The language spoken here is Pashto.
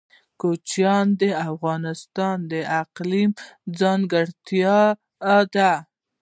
کوچیان د افغانستان د اقلیم ځانګړتیا ده.